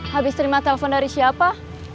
habis terima telepon dari siapa